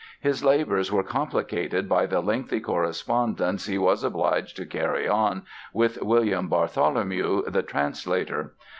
His labours were complicated by the lengthy correspondence he was obliged to carry on with William Bartholomew, the translator.